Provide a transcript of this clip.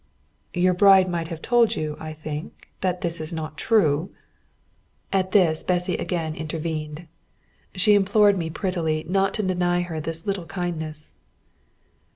"Your bride might have told you, I think, that this is not true." At this, Bessy again intervened. She implored me prettily not to deny her this little kindness.